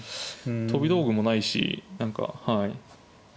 飛び道具もないし何かはい。